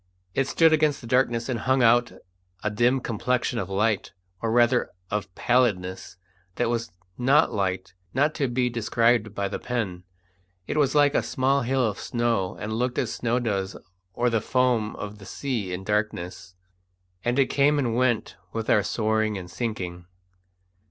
It stood against the darkness and hung out a dim complexion of light, or rather of pallidness, that was not light not to be described by the pen. It was like a small hill of snow, and looked as snow does or the foam of the sea in darkness, and it came and went with our soaring and sinking.